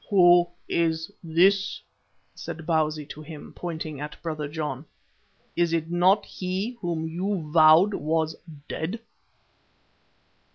"Who is this?" said Bausi to him, pointing at Brother John. "Is it not he whom you vowed was dead?"